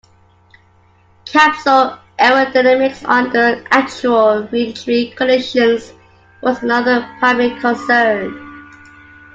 Capsule aerodynamics under actual reentry conditions was another primary concern.